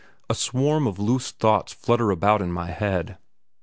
A swarm of loose thoughts flutter about in my head.